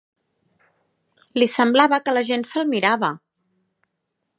Li semblava que la gent se'l mirava